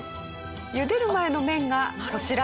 茹でる前の麺がこちら。